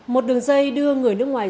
một đường dây đưa người nước ngoài